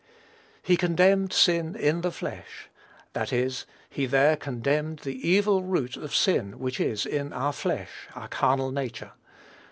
"He condemned sin in the flesh;" that is, he there condemned the evil root of sin which is in our flesh, our carnal nature.